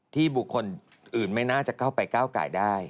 บุคคลอื่นไม่น่าจะเข้าไปก้าวไก่ได้